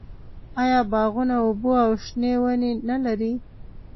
آیا باغونه اوبه او شنه ونې نلري؟